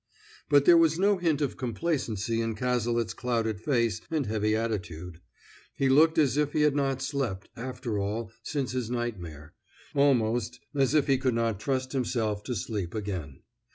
But there was no hint of complacency in Cazalet's clouded face and heavy attitude. He looked as if he had not slept, after all, since his nightmare; almost as if he could not trust himself to sleep again.